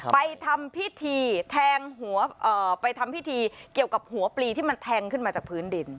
ไปทำพิธีเกี่ยวกับหัวปลีที่มันแทงขึ้นมาจากพื้นดิน